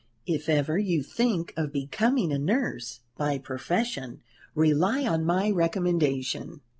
If ever you think of becoming a nurse by profession, rely on my recommendation.